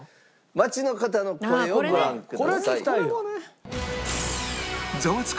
街の方の声をご覧ください。